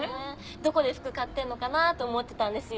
どこで服買ってんのかなと思ってたんですよ。